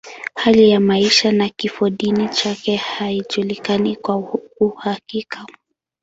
Hali ya maisha na kifodini chake haijulikani kwa uhakika.